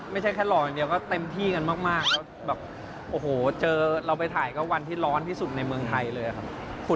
เรื่องสลิงเรื่องอะไรอย่างนี้นะครับ